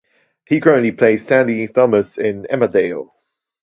He currently plays Sandy Thomas in "Emmerdale".